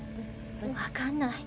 わかんない。